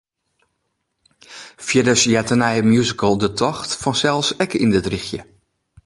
Fierders heart de nije musical ‘De Tocht’ fansels ek yn dit rychje.